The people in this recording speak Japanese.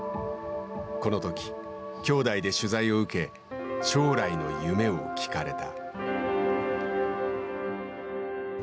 このとき兄弟で取材を受け将来の夢を聞かれた。